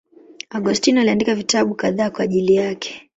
Augustino aliandika vitabu kadhaa kwa ajili yake.